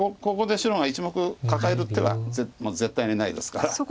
ここで白が１目カカえる手はもう絶対にないですから。